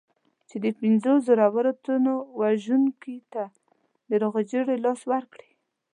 چې د پنځو زرو تنو وژونکي ته د روغې جوړې لاس ورکړي.